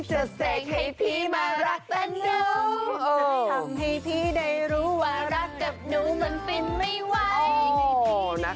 จะเสกให้พี่มารักกับหนู